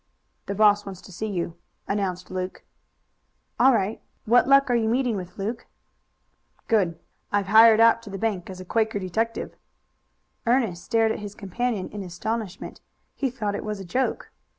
"The boss wants to see you," announced Luke. "All right. What luck are you meeting with, Luke?" "Good. I've hired out to the bank as a Quaker detective." Ernest stared at his companion in astonishment. He thought it was a joke.